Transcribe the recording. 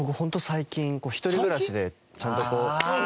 最近一人暮らしでちゃんとこう。